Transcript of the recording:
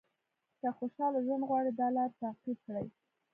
که خوشاله ژوند غواړئ دا لارې تعقیب کړئ.